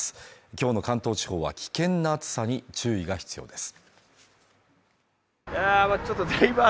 今日の関東地方は危険な暑さに注意が必要です。